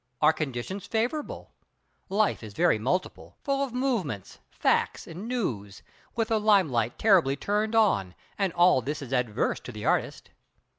Are conditions favourable? Life is very multiple; full of "movements," "facts," and "news"; with the limelight terribly turned on—and all this is adverse to the artist.